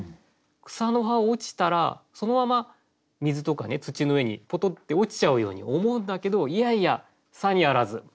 草の葉落ちたらそのまま水とか土の上にポトッて落ちちゃうように思うんだけどいやいやさにあらず。